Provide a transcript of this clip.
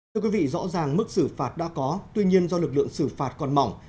thưa quý vị rõ ràng mức xử phạt đã có tuy nhiên do lực lượng xử phạt còn mỏng